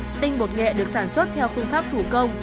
cách thứ nhất tinh bột nghệ được sản xuất theo phương pháp thủ công